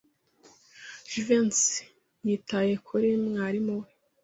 Jivency yitaye kuri mwarimu we.